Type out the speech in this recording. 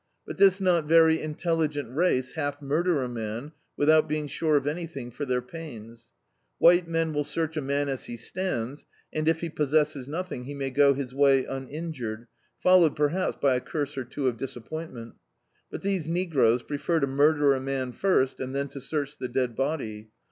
But this not very intelligent race half murder a man without being sure of anything for their pains. White men will search a man as he stands, and if he possesses noth ing, he may go his way uninjured, followed per haps, by a curse or two of disappointment; but these negroes prefer to murder a man first, and then to search the dead body.